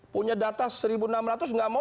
punya data satu enam ratus nggak mau